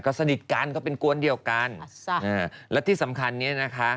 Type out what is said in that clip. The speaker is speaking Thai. ก็สนิทกันก็เป็นกวนเดียวกันและที่สำคัญเนี้ยนะคะ